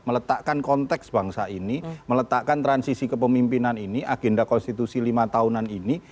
meletakkan konteks bangsa ini meletakkan transisi kepemimpinan ini agenda konstitusi lima tahunan ini